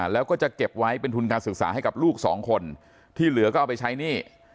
แล้วก็จะเก็บไว้เป็นทุนการศึกษาให้กับลูกสองคนที่เหลือก็เอาไปใช้หนี้